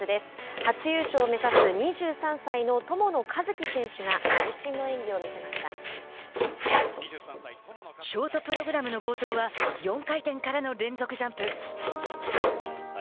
初優勝を目指す２３歳の友野一希選手がショートプログラムの冒頭は４回転からの連続ジャンプ。